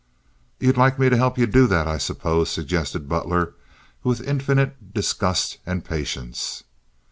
"Ye'd like me to help ye do that, I suppose?" suggested Butler, with infinite disgust and patience.